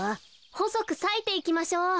ほそくさいていきましょう。